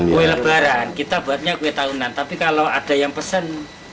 kue lebaran kita buatnya kue tahunan tapi kalau ada yang pesen